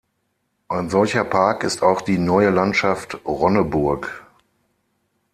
Ein solcher Park ist auch die Neue Landschaft Ronneburg.